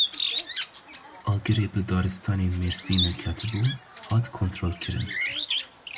Agirê bi daristanên Mêrsînê ketibû, hat kontrolkirin.